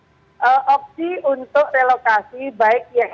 jadi opsi untuk relokasi baik yang